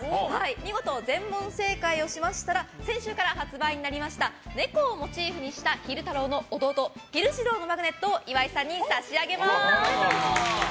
見事全問正解をしましたら先週から発売になりましたネコをモチーフにした昼太郎の弟昼二郎のマグネットを岩井さんに差し上げます！